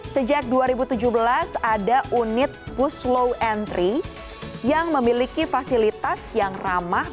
sejak dua ribu tujuh belas ada unit bus low entry yang memiliki fasilitas yang ramah